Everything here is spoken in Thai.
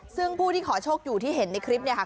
ซึ่งผู้ที่ขอโชคอยู่ที่เห็นในคลิปเนี่ยค่ะ